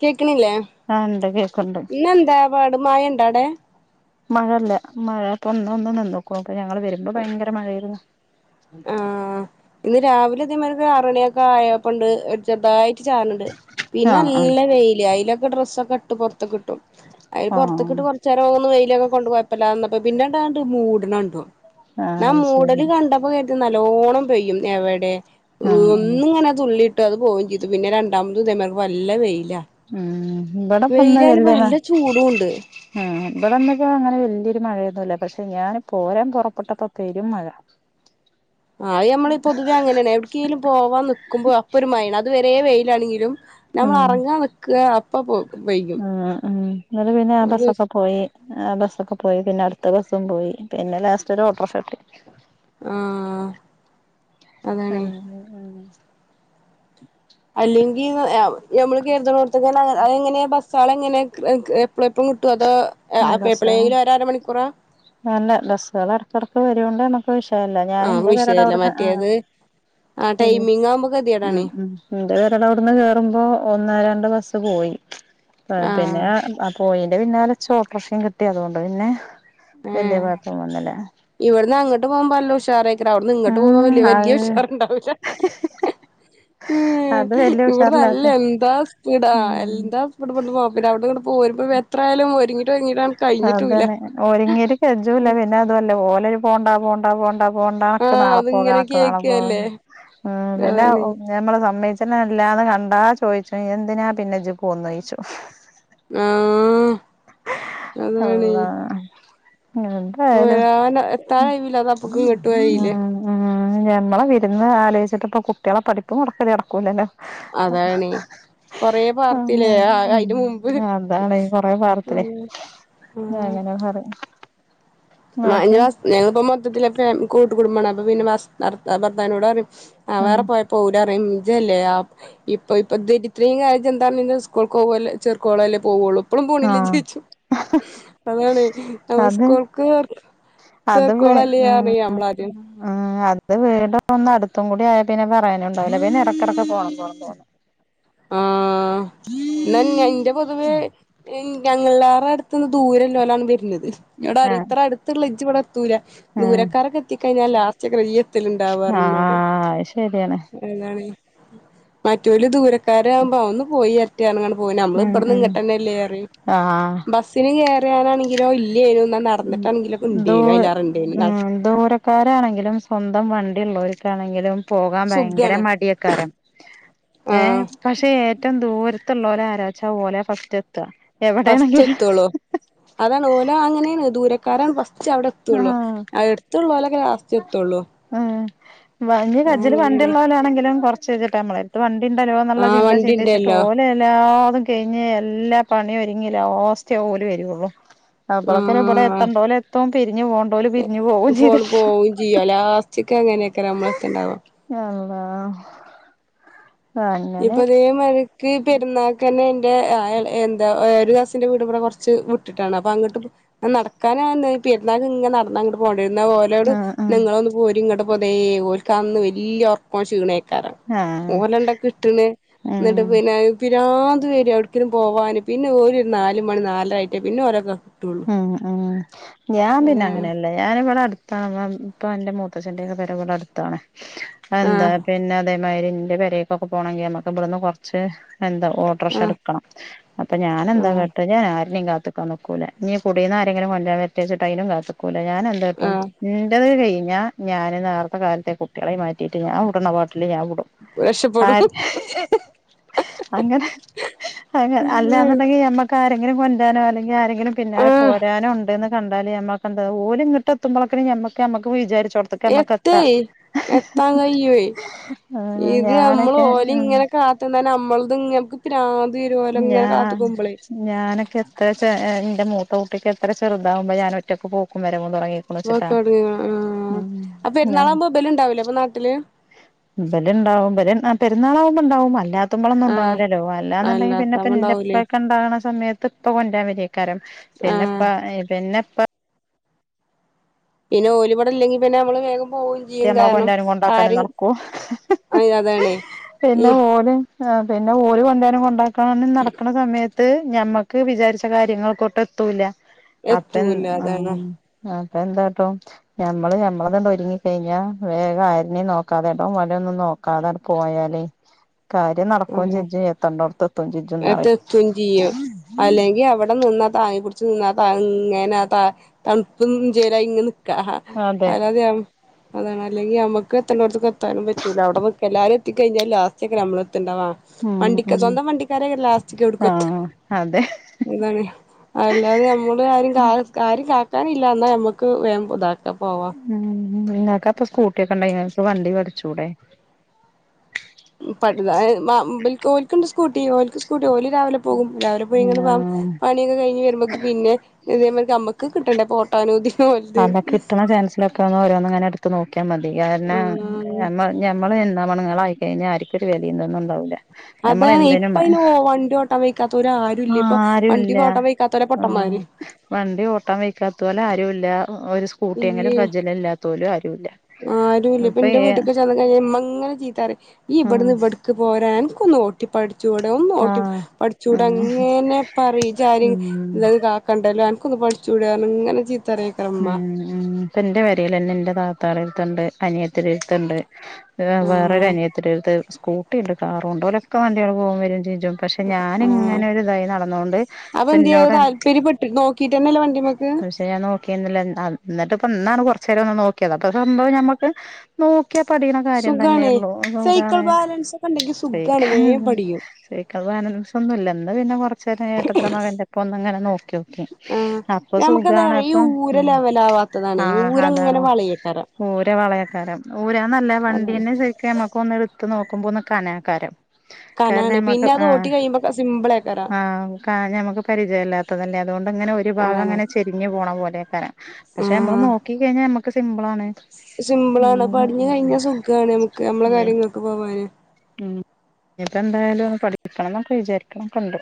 കേക്ണില്ലേ ആ ഉണ്ട് കേക്ക്ണ്ട് ഇന്നെന്താ പാട് മയണ്ടവടെ മഴല്ല മഴ ഇപ്പ ഇന്നൊന്ന് നിന്ന്കുണു ഇപ്പ ഞങ്ങള് വരുമ്പോ ഭയങ്കര മഴായിരുന്നു ആഹ് ഇന്ന് രാവിലെ തേമാതിരി ആറുമണിയൊക്കെ ആയപ്പണ്ട് ഒരു ചെറുതായി ചാറ്ണ്‌ണ്ട് പിന്നെ ആഹ് ആഹ് നല്ല വെയില് അയിലൊക്കെ ഡ്രസ്സൊക്കെ ഇട്ത്ത് പൊറതിക്കിട്ടു അയില് ആഹ് പൊറത്ത്കിട്ട് കൊറച്ചേരം ഒന്ന് വെയിലൊക്കെ കൊണ്ടു കൊയപ്പല്ലാതെ ന്നപ്പോ പിന്നെണ്ടങ്ങട്ട് മൂട്ണണ്ടു ന്നാ ആഹ് മൂടല് ശരി കണ്ടപ്പോ കരു തി നല്ലോണം പെയ്യും എവിടെ ആഹ് ആഹ് ഒന്നുങ്ങനെ തുള്ളിട്ട് ഇട്ട് അത് പോവും ചെയ്തു പിന്നെ രണ്ടാമത് ഇതേമാതിരി നല്ല വെയില് ഉം വടെ പന്നലല്ലേന്ന് നല്ല ചൂടും ഉണ്ട് ഉം ഇവിടെന്നൊക്ക അങ്ങനെ വല്യയൊരു മഴയൊന്നുംല്ല പക്ഷെ ഞാൻ പോരാൻ പുറപ്പെട്ടപ്പോ പെരും മഴ ആ അത് ഞമ്മളീ പൊതുവെ അങ്ങനെണ് എവിട്ക്കെലും പോവാൻ നിക്കുമ്പോ അപ്പൊ ഒരുമയാണ് അത് വരേ വെയിലാണെങ്കിലും ഞമ്മൾ ഉം അറങ്ങാൻ നിക്കാ അപ്പപോ വൈകും ഉം ഉം ഇന്നലെ പിന്നെ ആ അ ബസ്സൊക്കെ പോയി ആ ബസ്സൊക്കെ പോയി പിന്നെ അടുത്ത ബസ്സും പോയി പിന്നെ ലാസ്റ്റ് ഒരു ഓട്ടോർഷ കിട്ടി ആ ആ ആ അല്ലെങ്കി ന ഞമ്മള് കെരുതുനോട്ത്കന്നെ അ അങ്ങനെയാ ബസ്സ്‌ സാളെങ്ങനെ എപ്പളും എപ്പളും കിട്ടോ അത് എപ്പളേലും ബസ്സാണ് ഒര് അര മണിക്കൂറാ ക്കവരോണ്ട് നമ്മക്ക് വിഷയല്ല ഞാൻ ആഹ് ന്റെ പെരടെ വിഷയല്ല അവിടുന്ന് ആ മറ്റേത് ആഹ് ഉം ടൈമിങ് ആവുമ്പോ ഉ ഗതികേടാണ് ഉം ഉ ന്റെ പെരടെ അവിടുന്ന് കേറുമ്പോ ഒന്നര ന്റെ ബസ്സ് പോയി ആഹ് പിന്നെ പോയിന്റെ പിന്നാലെ ച്ചോട്ടറോഷിം കിട്ടി അതോണ്ട് പിന്നെ വല്യ കുഴപ്പം വന്നില്ല അങ്ങോട്ട് പോകുമ്പ നല്ല ഉഷാറായിക്കരം അവിടുന്ന് ഇങ്ങോട്ട് പോക വ ഉം വല്യ അത് ഉഷാറുണ്ടാവൂല ഉം അത് വല്യ ഇവിടെ നല്ല ഉഷാറില്ലാത്ത എന്താ സ്പീഡ ആ ഉം എന്താ സ്പീഡുബിട്ന്ന് പിന്നെ അവിടെ ഇങ്ങ പോ പോരുമ്പോ എത്രായാലും ഒരുങ്ങി അതന്നെ ഒരുങ്ങിയട്ട് കെജുല്ല പിന്നെ അതുല്ല ഓലെരു പോണ്ടാ പോണ്ട പോണ്ട പോണ്ട അണക്ക് ആഹ് നാളെ പോക അതിങ്ങനെ അണക്ക് നാളെ പോ കേക്കല്ലേ ഉം പിന്നെ അതാണ് നമ്മളെ സമ്മയ്ച്ച [unintelligible] കണ്ടാ ചോയ്ച്ചും എന്തിനാപിന്നെജ്ജ് പൊന്നെ ചോയ്ച്ചും ഈഹ് അല്ലാഹ് എന്തായാലും പോരാൻ എത്താനായില്ല അത് അപ്പക്ക് ഇങ്ങട്ടും ഉം ഉം ആയില്ലേ മ്മ് ഞമ്മളെ വിരുന്ന് അലോച്ചിട്ട്പ്പൊ കുട്ടിയാളെ പഠിപ്പ് മൊടക്കല് നടക്കൂലല്ലോ അതാണേ കൊറേ പാർത്തില്ലേ അഹ് അയിന്റെ മുമ്പ് [unintelligible] അതാണെയ് കൊറെ വർ തെ ഉം അങ്ങനെ പറിം [unintelligible] [unintelligible] [unintelligible] ഭർത്താവിനോടറിയും ആഹ് ഉം വേറെ പോയ പോവൂലറയ്യും [unintelligible] [unintelligible] അപ്പളും പോണില്ലേജ്ജ് ആഹ് ചോയ്ച്ചും അതാണ് നമ്മ അത് സ്കൂൾക്ക് അത് ചേർക്കോളല്ലേ പറയും [unintelligible] നമ്മളാദ്യം ആം അത് വീടൊന്ന് അട്ത്തും കൂടി ആയാപിന്നെ പറയാനും ണ്ടാവൂല പിന്നെടെക്കെടക്ക് പോണം പോലെ തോന്നു ആഹ് ന്നാ ഇന്റെ പൊതുവേ ഞങ്ങള [unintelligible] ദൂരള്ളോലാണ് വര്ണത് ന്നോടറയ്യും ആഹ് ത്രട്ത്ത്ള്ള ഇജ്ജ് ദൂര ഉം ദൂരക്കാരക്കെത്തിക്കഴിഞ്ഞാൽ ലാസ്റ്റെയ്‌ക്കാരം ഇയ്യെത്തലിണ്ടാവാന്നറയും ന്നോട് ആഹ് അത് ശരിയാണ് അഹ് അതാണ് മറ്റോല് ദുരക്കാരാവുമ്പോ ഒന്ന് പോയെരട്ടെന്ന് അറഞാണ്ട് വും നമ്മള് ഉം ഉം ബടെന്ന്ങ്ങട്ടെന്നെല്ലെറയും ആഹ് ബസ്സിന്‌ കേറാനാണെങ്കിലൊ ദൂര ഇണ്ടേനു നട ഉം ദൂരക്കാരാണെങ്കിലും സ്വന്തം വ ഓൽക്കാണെങ്കിലും പോകാൻ ഭയങ്കര സുഖാണ് മടിയെക്കാരം ഏഹ് ആഹ് പശെ ഏറ്റോം ദൂരത്തുള്ളോരാരച്ച ഓല ഫസ്റ്റ് എത്ത ഫസ്റ്റ് എത്തള്ളൂ അതാണ് ഓലഅങ്ങനെണ് ദൂരക്കാരാണ് ഫസ്റ്റ് ച്ച അവിടെ എത്തുള്ളൂ ആഹ് എടുത്തുള്ളോലൊക്കെ ലാസ്‌റ്റേ എത്തുള്ളൂ ആഹ് [unintelligible] കജ്ജില് വണ്ടില്ലോലാണെങ്കിലും കൊർചേച്ചിട്ട് മ്മളെത്തുഒള്ളൂ ണ്ടല്ലോ എന്ന്ള്ള ആഹ് ചിന്ത ചിന്തിച്ചിട്ട് വണ്ടിണ്ടല്ലോ ഓലെല്ലാതും കെയ്ഞ്ഞ് എല്ലാ പണിയൊരുങ്ങി ലാസ്‌റ്റേ ഓൽവരുള്ളു അപ്പളൊക്കിലു ഇബടെ ആഹ് എത്തണ്ടോൽ എത്ത് പിരിഞ്ഞ് പോണ്ടൊല് പിരിഞ്ഞ് പൊവും ഫോണ് ചെയ്തിട്ടുണ്ടാവും പോവും ചെയ്യും ലാസ്റ്റ്ക്ക് അങ്ങനേക്കാരം നമ്മളെത്ത്ണ്ടാവാ ഹഹ അള്ളാഹ് ഇപ്പൊതേ മഴക്ക് പെരുന്നാക്കന്നെ ന്റെ ഏ ഏഹ് എന്താ ഒരു കസിന്റെ വീട് വടെ കൊർച്ച് വിട്ട്ട്ടാണ് പ്പൊ ങ്ങട്ട് നട്ക്ക [unintelligible] എന്നാ ഓലോട് ആഹ് ന്നാ ആഹ് ങ്ങളൊന്ന് പോരീങ്ങട്പ്പൊതെയ് ഓൽക്കന്ന് വല്യ ഒറക്കോം ശീണെ ക്കാരം ആഹ് ഓലണ്ടൊക്കിട്ടണ് ന്നട്ട് ഉം പിന്നെ രാന്ധ് വരും എവിട്ക്കേലും പോവാന് പിന്നെ ഓര് നാല് മണി നാലര ആയിട്ടേ പിന്നെ ഓല ഉം ഉം ഞാൻ അതാണ് പിന്നെങ്ങനെല്ല ഞാനിവിടെ അട് [unintelligible] മൂത്തച്ഛന്റെ ഒക്കെ പെരവടട്ത്താണ് എന്താ ആഹ് പിന്നെ അതേ മ്മാരി ന്റെ പെരേക്കൊക്കെ പോണെങ്കി മ്മക്ക് ഇബടെന്ന് കൊറ്ച്ച് എന്താ ഓട്ടർഷ ആഹ് ടുക്കണം അപ്പ ഞാൻെന്താ ആഹ് കാട്ട ഞാൻ ആരനേം കാത്ത്ക്കാൻ നൽക്കൂല ഞ്ഞ് കുടീന്നാരെങ്കിലും [unintelligible] അയ്‌നും കാത്ത്ക്കൂല ഞാനെന്താട്ടും ആഹ് ന്റെദ് ഞ ഞാന് നേർത്തെ കാലത്തെ കുട്ടിയാളേം മാറ്റീട്ട് ഞാൻ വ്‌ടണെ പാട്ടില് ഞാൻ വിടും രക്ഷപ്പെടും ആഹ് ഹ് അങ്ങനെ ഹഹ് അങ്ങ അല്ലാന്ന്ണ്ടെങ്കി ഞമ്മക്കാര ങ്ങനെ കൊണ്ടെരാനൊ അല്ലെങ്കി ആരെങ്കിലും പിന്നാലെ ആഹ് പോരാനോ ണ്ട്ന്ന് കണ്ടാല് നമ്മക്കെന്താ ഓല് ങ്ങട്ടെതുമ്പോളെക്കും നമ്മക്ക് നമ്മക്ക് എത്തേ വിചാരിച്ചോട്ത്ത്ക്കെത്ത എത്താൻ കയ്യുയ് ആഹ് ഇത് യമ്മള് ഞാനൊക്കെ ഓലേം ഉം ങ്ങനെ കാത്ത്ന്നാ നമ്മള [unintelligible] ഞാ ഞാനൊക്കെ എത്ര ന്റെ മൂ ത്തട്ടിക്ക് എത്ര ചെർതാവുമ്പോ ഞാനൊറ്റക്ക് പോക്കും വര [unintelligible] ച്ചിട്ടാ ആഹ് അപ്പൊ പെരുന്നാളാകുമ്പോ ഇബല് ഉണ്ടാവൂലേ അപ്പൊ നാട്ടില് ബല്ണ്ടാവും ബല് ആഹ് പെരുന്നാളാവകുമ്പ്ണ്ടാവും അല്ലാത്തുമ്പോളൊന്നും ഉണ്ടാവൂ ആഹ് ലല്ലോ ഇല്ലാന്ന്ണ്ടെങ്കി പിന്നെപ്പ അല്ലാത്തമ്മ ഉണ്ടാവൂലേ എന്റെപ്പൊക്കെ ഉണ്ടാകുന്ന സമയത്ത് ഇപ്പൊ കൊണ്ട്രാൻ വരെക്കാരം ആഹ് പിന്നെപ്പ എപ്പ പിന്നെ ഓലിമട ഇല്ലെങ്ക പിന്നെ നമ്മള് പോവും പറ്റ ചെയ്യും നമ്മളെ കാരണം കൊണ്ടാനും കൊണ്ടാക്കാനും ആരും നടക്കും. അതാണേ ഈ പിന്നെ ഒന് ആ പിന്നെ ഓര് കൊണ്ടാനം കൊണ്ടാക്കണം നടക്കണ സമയത്ത് ത്ത് ഞമ്മക്ക് വിചാരിച്ച കാര്യങ്ങൾക്കൊട്ട് എത്തൂല്ല. അപ്പ എത്തൂല അതാണ് അപ്പ എന്താട്ടോ ഞമ്മള് ഞമ്മളത്ണ്ടോ ഒരുങ്ങി കഴിഞ്ഞ വേഗം ആരനേ നോക്കാതെ എടോം വലോം ഒന്നും നോക്കാതെ പോയാലേ കാര്യം നടക്കോം ആഹ് ചിജുംത്തണ്ടടത്ത് എത്ത ചിജുംന്ന്റയും തെത്തും ചെയ്യും അല്ലെങ്കി അവിടെ നിന്ന താങ്ങി കുടിച്ച് നിന്നാ താ ഇങ്ങനാ ത തണുപ്പ ചേരാ ഇങ്ങെ ആഹ അതെ അല്ലതെയ അതാണ് അല്ലെങ്കി നമക്ക് എത്തണ്ടോടത്തു എത്താനും പറ്റൂല അവിടെ എല്ലാരും എത്തിക്കഴിഞ്ഞാ ലാസ്റ്റ് ഒക്കെ നമ്മള ണ്ടവാ ഉം വണ്ടിക്ക ഉം സ്വന്തം വണ്ടിക്കാരല്ലാസ്റ്റക്ക് എടുക്ക ആഹ് അതെ അതാണ് അല്ലാതെ നമ്മള് ആരും കാ ആരും കാനല്ല എന്നാ ഞമ്മക്ക് വേ ഇതാക്കാ പോവാ. ഉ നിന്നക്ക് അപ്പൊ സ്കൂട്ടിയൊക്കെണ്ടങ്കി ങ്‌ക് വണ്ടി വേഡ്ച്ചുടെ ഇബൽക്ക് ഓൽക്കുണ്ട് സ്കൂട്ടി ഓൾക്ക് സ്കൂ ജോലി രാവിലെ പോകും രാവിലെ പോയി ഇങ്ങെ ആഹ് പണിയൊക്കെ കഴിഞ്ഞ് വരുമ്പോക്ക് പിന്നെ അതേമ്മക്ക് ഒക്കെ കിട്ടണ്ടേ പോട്ട അനുമദി അന്നൊക്കെിട്ടണ ചാൻസിലോക്ക ഓരോന്ന് ഇങ്ങനെ എടുത്ത് നോക്കും. ആഹ് [unintelligible] ഞമ്മള് എന്താ മണങ്ങൾ ആയിക്കഴിഞ്ഞാൽ ആർക്കും ഒരു വിലയന്തൊന്നും ഉണ്ടാവൂല്ല. അതാണ് ഇപ്പ ഇന് ഓ വണ്ടി ഓട്ടം വയ്ക്കാത്ത ഒ ആരും ഇല്ലാ. ഇപ്പൊ വണ്ടി ആരുല്ല ഓട്ടം വയ്ക്കാത്തവരെ പൊട്ടമാര്. ആഹ് വണ്ടി ഓട്ടം വയ്ക്കാത്ത പോലെ ആരുംല്ല. ഒരു സ്കൂട്ടിയെങ്കിലും കജ്ജല് ഇല്ലാത്ത പോലും ആരുല്ല. ആരുമല് ഇപ്പ അപ്പ എന്റെ ഏ വീട്ടക്കെ ചെന്ന് കഴിഞ്ഞമ്മ അങ്ങനെ ചീത്തറയും ഈ ആഹ് ഇവിടെന്ന് ഇവിടക്ക് പോരാൻ ന്നോട്ടി പഠി പട ഓട്ടി ആഹ് പഠിച്ചൂട ആഹ് അങ്ങനെ പറീമിച്ചാരിം ഉം ഇത് കാക്കണ്ടല്ലോ ഒന്ന് പഠിച്ചുടന്നങ്ങനെ ചീത്തറിയക്കറമ്മ. ഇപ്പം എൻ്റെ വരയിൽ തന്നെ എൻ്റെ താത്താടെ അരുത്തുണ്ട്, അനിയത്തി അരുത്തുണ്ട്. ആഹ് വേറൊരനിയത്തിടെ അടുത്ത് സ്കൂട്ടി ഉണ്ട്, കാറും ഉണ്ട് ഓലൊക്കെ വണ്ടികള് പോകൻ വരയും ചെയ പക്ഷെ ഞാൻ ആഹ് ഇങ്ങനെ ഒരു ഇതായി നടന്നൊണ്ട് പിന്നോട ചെന്നൈയില വണ്ടിമക്ക് എന്നിട്ട് ഇപ്പ എന്നാണ് കുറച്ച നേരം ഒന്ന് നോക്കിയത് അപ്പൊ സംഭവം നഞമ്മക്ക് നോ പഠിക്കണ കാര്യം സുഖാണ് തന്നെയള്ളൂ സൈക്കിൾ അതന്താണ് ബാലൻസ് ഒക്കെ ഉണ്ടെങ്കി [unintelligible] [unintelligible] സുഖാണ് വേം പഠിയും പിന്നെ കൊറച്ച നേരം ഏട്ടത്ര മകന്റെപ്പ ഒന്ന ഇങ്ങനെ നോക്കി നോക്കി ആഹ് അപ്പൊ സുഖണ്. നമുക്കെന്താന്നറിയോ ഈ ഊരെ ലെവലാവാത്തതാണ് ഊരങ്ങനെ അതാണോ വളയക്കാറ ഊര വളയക്കാരം ഊരാ നല്ല അതാണ് വണ്ടീന ശരിക്കും നമ്മുക്ക് ഒന്ന് എടുത്ത് നോക്കുമ്പോ ഒന്ന് കനക്കാരം കനാണ് കാരണം മക്ക പിന്നെ അത് ആഹ ഓട്ടി കഴിയുമ്പോ സിമ്പിളേക്കാരം ആഹ ഞമുക്ക് പരിചയമല്ലാത്തതല്ലേ അതുകൊണ്ട് ഇങ്ങനെ ഒരു ഭാഗം അതാണ് അങ്ങനെ ചെരിഞ്ഞു പോണ പോലെക്കാരൻ. പക്ഷെ നമ്മള് നോക്കി കഴിഞ്ഞാൽ നമ്മുക്ക് സിമ്പിൾ ആണ് സിമ്പിള ആണ്. അപ്പൊ പടിഞ്ഞു കഴിഞ്ഞാ സുഖമാണ് നമുക്ക് നമ്മളെ കാര്യങ്ങളൊക്കെ പോവാന്. ഇനിപ്പ എന്തായാലും ഒന്ന് പഠിക്കണം എന്നൊക്കെ വിചാരിക്കണംക്കെ ഉണ്ട്.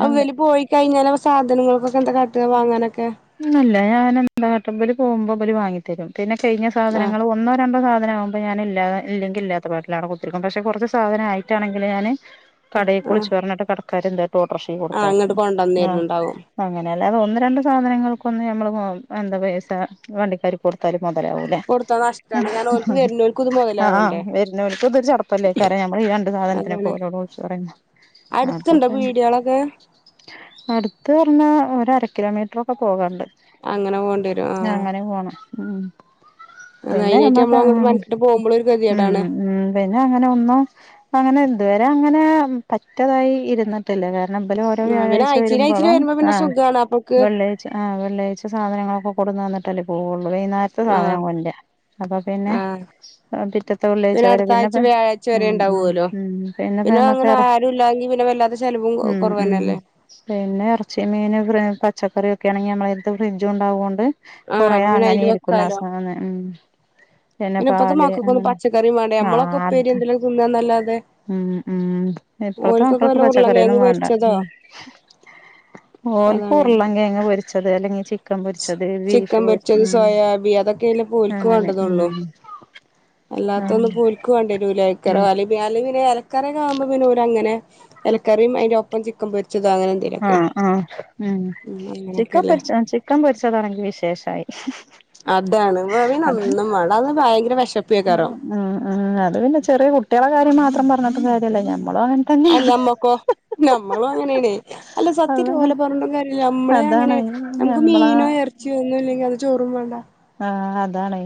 ആ ഇവല പോയി കഴിഞ്ഞാ സാധനങ്ങൾക്കൊക്കെ എന്താ കട്ടുക വാങ്ങാനൊക്കെ. ല്ല ഞാൻ എന്താ ട്ടബ പോകുമ്പോ പോലര് വാങ്ങിത്തരും. പിന്നെ കഴിഞ്ഞ ആഹ് സാധനങ്ങൾ ഒന്നോ രണ്ടോ സധനമാകോ അ ഞാ ഇല്ലെങ്ക ഇല്ലാത്ത പാട്ടിലാണ്ടെ കുത്തിരിക്ക പക്ഷെ കുറച്ച് സാധന ആട്ടാണങ്ക ഞാന് കടേക്കു ആഹ് വിളിച്ച് പറഞ്ഞിട്ട് കടക്കാർ എന്തായിട്ട് ഓട്ടർഷയ്ക്കു ആഹ് കൊടുത്തയ്ക്കും. ഇങ്ങട്ട് ആ കൊണ്ടന്നേര്ന്ന്ണ്ടാവും അങ്ങനെ അല്ലാതെ ഒന്ന് രണ്ട് സാധനങ്ങൾക്കൊന്ന് നമ്മള് എന്താ പൈസ വണ്ടിക്കാര് കൊടുത്താലും മൊതലാവൂല കൊടുത്താ ആ നഷ്ടാണ് കാരണം ഓൽക്ക് വരുന്നോൽക്കും ഇത് ആ ആ മുതലാവണ്ടേ വരുന്നര്ക്ക് ഇതൊരു ചടപ്പല്ലേ കാര ഞമ്മള് ഇരണ്ട് അതാണ് സാധനത്തിനൊക്കെഓരോട് വിൾച് പറയുന്ന അപ്പൊ അടുത്തുണ്ടോ പിന്നെ പീടികളൊക്കെ അടുത്ത്പറഞ്ഞാ ഒര രകിലോമീറ്ററൊക്കെ പോകാണ്ട് അങ്ങനെ പോണ്ടി വരും ആഹ് അങ്ങനെ പോണം ഊം അത് പിന്നെ അയിനായിട്ട് എന്ന്ട്ട് നമ്മള് അങ്ങനെ അങ്ങോട്ട് മെനക്കെട്ട് പോകുമ്പളും ഒരു ഉം ഗതികേടാണ് ഉം പിന്നെ അങ്ങനെ ഒന്നോ അങ്ങനെ ഇതുവരെ അങ്ങനെ പറ്റ്തായി ഇരുന്നട്ടില്ല ഞൻ നമ്പലും ഓരോ ആഹ് പിന്നെ വ്യാഴാഴ്ച ആഴ്ചേല് ആഴ്ചേല് വരുമ്പോളും വരുമ്പോ ആ പിന്നെ സുഖാണ് അപ്പൊക്ക് വെള്ളിയാഴ്ച ആ വെള്ളിയാഴ്ച സാധനങ്ങളൊക്കെ കൊടുന്ന് തന്നിട്ടല്ലേ പോവൊള്ളൂ വൈന്നേരത്തെ ആഹ് സാധനം വൊൻ്റാ അത പിന്നെ ആഹ് ആ പിറ്റത്തെ പിന്നെ വെള്ളേഴ്ച്ചവരെ അടുത്ത ആഴ്ച പിന്നെപ്പ വ്യാഴാഴ്ച വരെ ആം ഉം ഉണ്ടാവുവല്ലോ ഉം പിന്നപ്പ പിന്നെ അങ്ങനെ നമ്മക്ക്എർ ആരും ഇല്ലാങ്കി പിന്നെ വല്ലാതെ ചെലവും ഉംഉം കൊറവന്നല്ലേ പിന്നെ എറച്ചീം മീനും ഫ്രി പച്ചക്കറി ഇതൊക്കെ ആണെങ്കി അമ്മള് എന്തും ഫ്രിഡ്ജും ഒണ്ടാവുവൊണ്ട്. ആഹ് കൊറേ അപ്പൊ പിന്നെ അങ്ങനേ അയില് വെക്കാലോ ഇരിക്കുന്നാസാധനം ഉം. പിന്നെ ഇപ്പത്തെ ചെനപാല് മക്കക്കൊന്നും അങ്ങനെ പച്ചക്കറിയും വേണ്ടേ നമ്മളൊക്കെ ഉപ്പേരി ആഹ്ത് എന്തെലും തിന്നാന്നല്ലാതെ ഉം ഉം ഇപ്ലത്തെ ഓൽക്കൊക്കെ മക്കൾക്ക് വല്ല ഉരുളൻ പച്ചക്കറിയൊന്നും കിഴങ്ങ് വേണ്ട പൊരിച്ചതോ അതാണ് ഓൽക്കൂർളങ്കെയ്ങ്ങ് പൊരിച്ചത് അല്ലെങ്കി ചിക്കൻ പൊരിച്ചത്, സോയാബി അതൊക്കെയല്ലേ പ്പഓൽക്ക് അങ്ങനെ ഉം വേണ്ടതൊള്ളു. അല്ലാത്തൊന്നും ആഹ് പ്പഓൽക്കു വേണ്ടിയരൂലേക്കാരം [unintelligible] ന്നെ എലക്കറീനാവുമ്പോ പിന്നെ ഊരങ്ങനെ എലക്കറിം അതിന്റെ ഒപ്പം ചിക്കമ്പൊരി ആഹ് ആര് ഉം ചിക്കൻ പൊരിച്ചാ ചിക്കൻ പൊരിച്ചതാണെങ്കി വിശേഷായി അതാണ് വെവ്ന്നൊന്നും വേൺട അയ്ന് ഭയങ്കര വെഷ് ആ അ ഉം അത് പിന്നെ ചെറിയ കുട്ടികളെ കാര്യം മാത്രം പറഞ്ഞിട്ടും കാര്യല്ലേ ഞാൻ അല്ല അമ്മക്കോ നമ്മളും അങ്ങനെയണ് അല്ല സത്യയിട്ട് അതാണ് ഓലെ പറഞ്ഞുട്ട് കാര്യല്ല അമ്മളെ അതാണ് അങ്ങനെ നമ്ക്ക് ഞമ്മളെ മീനോ എറച്ചിയോ ഒന്നൂല്ലെങ്കി അന്ന് ചോറും വേണ്ട. ആ അതാണ്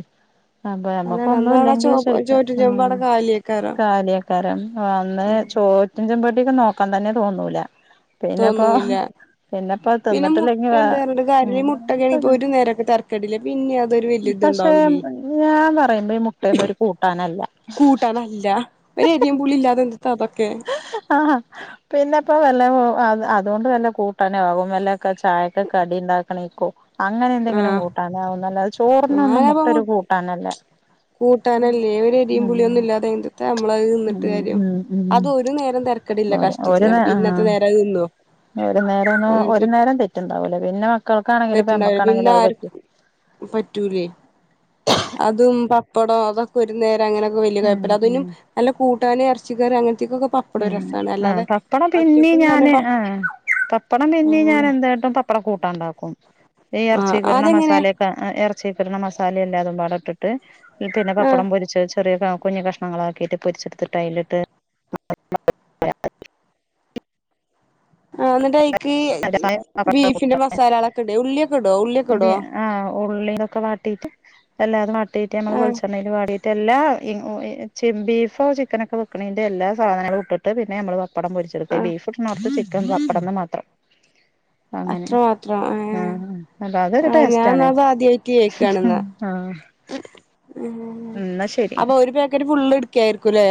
അപ്പൊ ഞമ്മക്ക് അതാണ് അന്നവിടെ ചോ ഒന്നുംല്ലെങ്കിൽ ശരിക്ക് ചോറ്റും ചെമ്പ് ഊം അവിടെ കാലിയേക്കാരം കാലിയക്കാരം ആഅന്ന് ചോറ്റുംചെമ്പോട്ടിക്ക് നോക്കാൻ തന്നെ തോന്നൂല. പിന്നെപ്പോ തോന്നൂല്ല. പിന്നെപ്പോ പിന്നെ മുട്ട തിന്നിട്ടില്ലെങ്കി വേ ഇണ്ട് പർണട്ടും കാര്ല ഈമുട്ട ഒക്കെ ആണെ ഇപ്പോ ഒരു നേരൊക്കെ തരക്കേടില്ല പിന്നെ അത് അതൊരു വല്ല്യ പക്ഷെ ഇതുണ്ടാവൂലേ. ഞാൻ പറയുമ്പോ ഈ മുട്ടയൊന്നും ഒരു കൂട്ടാനല്ല കൂട്ടാനല്ല ഒരെരീമ്പുളീല്ലാതെ. ആഹ് പിന്നെപ്പൊ വല്ല മോ അ അത് അതുകൊണ്ട് കൂട്ടാനെ ആകും വല്ലൊ ചായക്കെക്കെടി ഇണ്ടാക്ക്ണേക്കോ? അങ്ങനെ എന്തെങ്കിലും ആഹ് കൂട്ടാനാവുംന്നല്ലാതെ ചോറിനൊന്നും ഞാനപ്പ മു മുട്ടൊരു കൂട്ടാനല്ലേ കൂട്ടാനല്ലേ വരിഎരീംപുളീം ഒന്നൂല്ലാതെ എന്ത്ട്ടാ മ്മ്ളത് തിന്നിട്ട് ഉം കാര്യം ഉം ഉം അതു ഒരു നേരം തെരക്കെടില്ല. കഷ്ടിച്ച് ഒരു കണ്ട് നേ ആഹ് പിന്നത്തെ നേരംഅത് തിന്നോ? ഒരു നേരംന്നും അങ്ങനെ ഒരു നേരം തെറ്റുണ്ടാവൂലേ പിന്നെ മക്കൾക്കാണെങ്കിലും ഇപ്പ തെറ്റുണ്ടാവില്ല പിന്നെ അമ്മക്കാണെങ്കിലും അത്പറ്റ്വോ? ആർക്കും പറ്റൂലേ അതും പപ്പടോ അതൊക്കെ ഒരു നേരം അങ്ങനൊക്കെ വെല്യ ഉം കൊയപ്പല്ലാതിന്നും ഉം നല്ല കൂട്ടാന് എറച് ചിക്കൻ അങ്ങനൻ ഉം ആ പപ്പടം പിന്നേം ഒറ്റക്കും തന്നെ ഞാന് പ ആഹ് പപ്പടം പിന്നേം ഞാൻ ഉം എന്തായിട്ടും പപ്പടം കൂട്ടാണ്ടാക്കും. ഈ ആഹ് എറച്ചീക്കിടണ അതെങ്ങനെ മസാലയൊക്കെ ആ എറ ച്ചീക്കിടണ മസാലയില്ലേ അതും പാടോട്ടിട്ട് പിന്നെ ആഹ് പപ്പടം പൊരിച്ച് ചെറിയ കാ കുഞ്ഞു കഷ്ണങ്ങളാക്കിയിട്ട് പൊരിച്ചെടുത്തിട്ട് അയിലിട്ട് [unintelligible] ആ എന്നിട്ടൈക്ക് ബീഫിന്റെ മസാലകളൊക്കെ ഇട് ഉള്ളിയൊക്കെ ഇടോ ഉള്ളിയൊക്കെ ഇടോ ഉള്ളീലൊക്കെ വാട്ടീട്ട് അല്ലാതെ വാട്ടിയിട്ട് അമ്മള് ആഹ് വെളിച്ചെണ്ണയിൽ വാടി റ്റെല്ലാ ഇഉഇ ചംബീഫോ ചിക്കനൊക്കെ വെക്കണേന്റെ എല്ലാ സാധനങ്ങളും ഇട്ടിട്ട് പിന്നെ അമ്മള് വ പ്പടം പൊരിച്ചെടുത്തെ ബീഫിടണോർത്ത് ചിക്കൻ ചപ്പടംന്ന് മാത്രം അങ്ങനെ അത്ര മാത്രം ഏഹ് ആഹ് അല്ല അതൊരു ആഹ് ടേസ്റ്റാണെ ഞാൻന്നാ അത് ആദ്യായിട്ട് ആ മ്മം. അപ്പൊ ഒരു പേക്കറ്റ് ഫുള്ള് ഇട് ക്കായിരിക്കുംലെ.